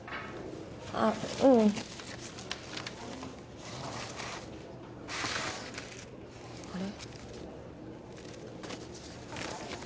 あっうんあれ？